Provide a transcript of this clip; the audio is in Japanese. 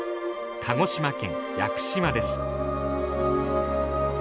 鹿児島県屋久島です。